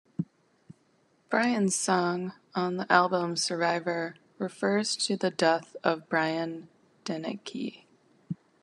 "Brian's Song" on the album "Survivor" refers to the death of Brian Deneke.